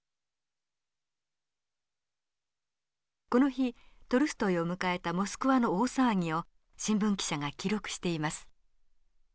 この日トルストイを迎えたモスクワの大騒ぎを新聞記者が記録しています。